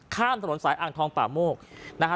ข้ามถนนสายอ่างทองป่าโมกนะฮะ